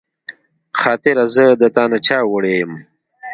خاطره زه د تا نه چاوړی یم